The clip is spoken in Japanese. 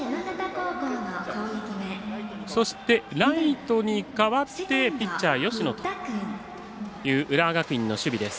そしてライトに代わってピッチャー芳野という浦和学院の守備です。